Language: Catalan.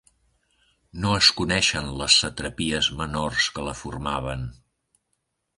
No es coneixen les satrapies menors que la formaven.